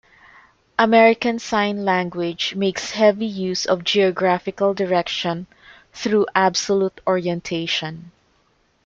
American Sign Language makes heavy use of geographical direction through absolute orientation.